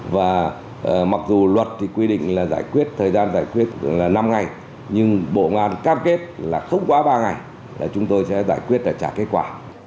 và mặc dù luật thì quy định là giải quyết thời gian giải quyết năm ngày nhưng bộ ngoan cam kết là không quá ba ngày là chúng tôi sẽ giải quyết và trả kết quả